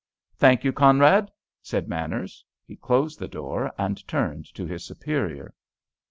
"Thank you, Conrad," said Manners. He closed the door and turned to his superior.